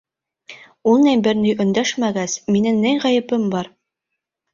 Ул бер ни өндәшмәгәс, минең ни ғәйебем бар?